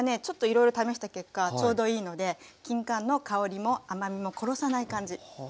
ちょっといろいろ試した結果ちょうどいいのできんかんの香りも甘みも殺さない感じ。